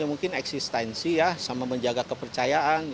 mungkin eksistensi ya sama menjaga kepercayaan